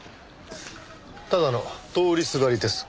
ただの通りすがりです。